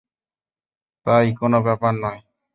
তাই, কোনো ব্যাপার নয়।